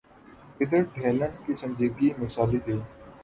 ادھر ڈیلن کی سنجیدگی مثالی تھی۔